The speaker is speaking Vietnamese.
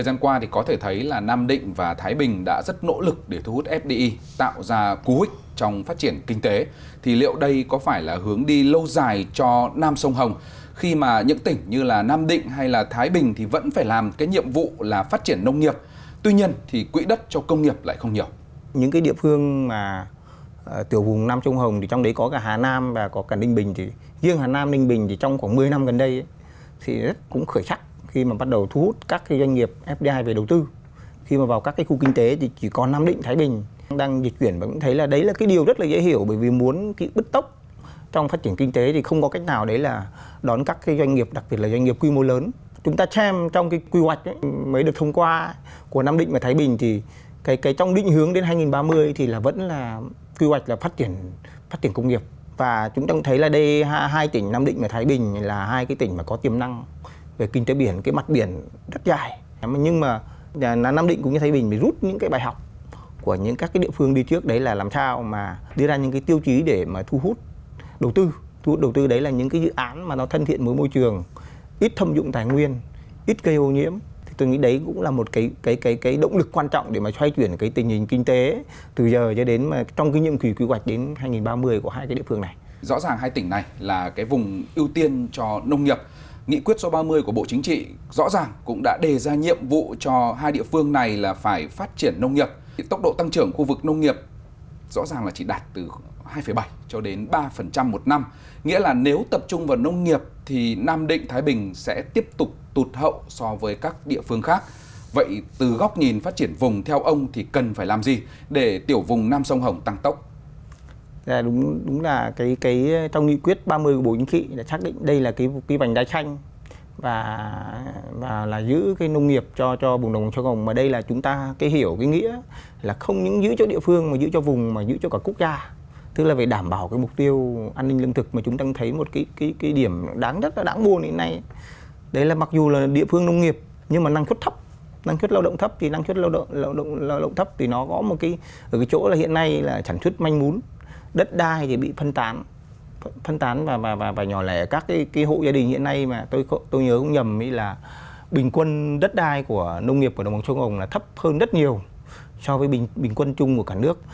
đấy là mặc dù là địa phương nông nghiệp nhưng mà năng suất thấp năng suất lao động thấp thì năng suất lao động thấp thì nó có một cái ở cái chỗ là hiện nay là chẳng suất manh mún đất đai thì bị phân tán và nhỏ lẻ các cái hộ gia đình hiện nay mà tôi nhớ cũng nhầm ý là bình quân đất đai của nông nghiệp của đồng bằng trung hồng là thấp hơn rất nhiều so với bình quân chung của cả nước